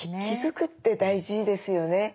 気付くって大事ですよね。